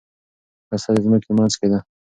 هسته د ځمکې منځ کې ده.